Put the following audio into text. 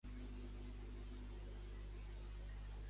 Em dius si tinc algun missatge de WeChat d'última hora de la Silvia?